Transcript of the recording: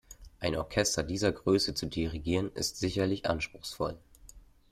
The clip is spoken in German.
Ein Orchester dieser Größe zu dirigieren, ist sicherlich anspruchsvoll.